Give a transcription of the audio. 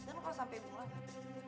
dan kalau sampai bulan